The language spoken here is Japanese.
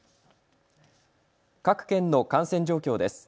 各県の感染状況です。